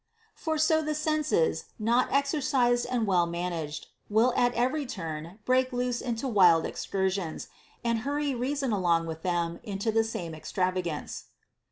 * For so the senses, not exercised and well managed, will at every turn break loose into wild excursions, and hurry reason along with them into the same extravagance.